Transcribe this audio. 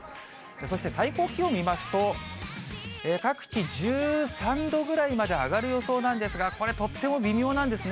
そして最高気温見ますと、各地、１３度ぐらいまで上がる予想なんですが、これ、とっても微妙なんですね。